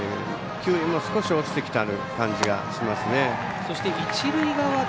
球威も少し落ちてきた感じがしますね。